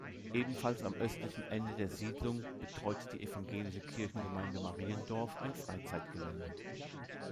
Ebenfalls am östlichen Ende der Siedlung betreut die evangelische Kirchengemeinde Mariendorf ein Freizeitgelände.